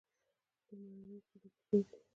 د مڼې کيلو په څو دی؟